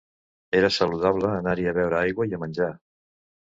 Era saludable anar-hi a beure aigua i a menjar.